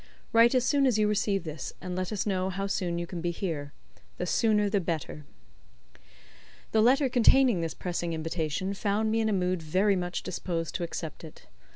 Write as soon as you receive this, and let us know how soon you can be here, the sooner the better." The letter containing this pressing invitation found me in a mood very much disposed to accept it.